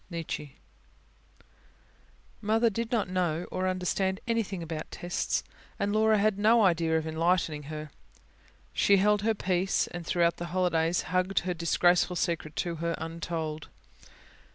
NIETZSCHE Mother did not know or understand anything about "tests"; and Laura had no idea of enlightening her. She held her peace, and throughout the holidays hugged her disgraceful secret to her, untold.